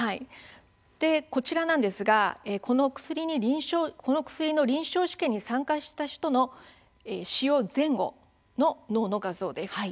こちらなんですが、この薬の臨床試験に参加した人の使用前後の脳の画像です。